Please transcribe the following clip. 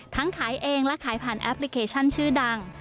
ขายเองและขายผ่านแอปพลิเคชันชื่อดัง